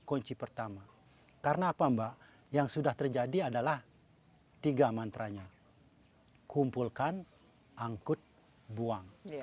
kunci pertama karena apa mbak yang sudah terjadi adalah tiga mantranya kumpulkan angkut buang